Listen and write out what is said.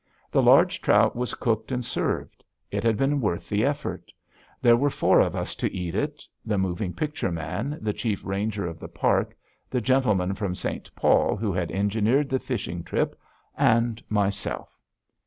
The large trout was cooked and served. It had been worth the effort. There were four of us to eat it the moving picture man, the chief ranger of the park, the gentleman from St. Paul who had engineered the fishing trip, and myself.